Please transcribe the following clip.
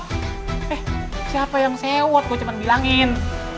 eh siapa yang sewot gue cuma bilangin